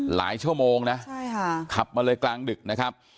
หลายชั่วโมงนะใช่ค่ะขับมาเลยกลางดึกนะครับ